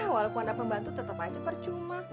walaupun ada pembantu tetap aja percuma